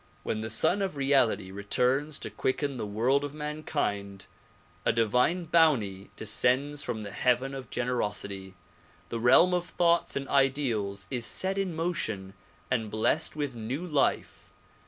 When the Sun of Reality returns to quicken the world of mankind a divine bounty descends from the heaven of generosity. The realm of thoughts and ideals is set in motion and blessed with new life.